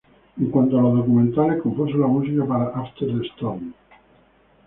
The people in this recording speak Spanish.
En cuanto a los documentales, compuso la música para "After the Storm".